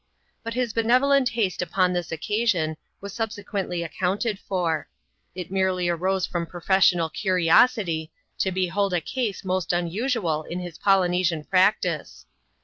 But his benevolent haste upon this occasion was subsequently accounted for : it merely arose from professional curiosity, to behold a case most unusual in his Polynesian practice.